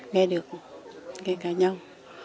nghe được nghe cả nhau